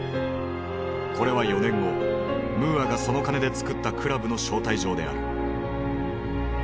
これは４年後ムーアがその金でつくったクラブの招待状である。